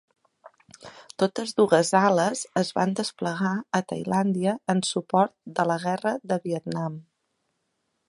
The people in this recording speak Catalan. Totes dues ales es van desplegar a Tailàndia en suport de la Guerra de Vietnam.